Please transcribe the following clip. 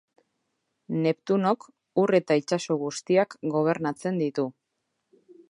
Neptunok, ur eta itsaso guztiak gobernatzen ditu.